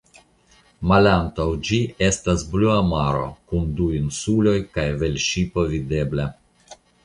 Malantaŭ ĝi estas blua maro kun du insuloj kaj velŝipo videbla.